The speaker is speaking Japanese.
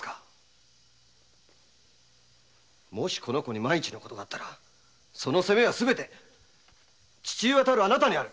もしこの子に万一の事があったら責めは父親たるあなたにある。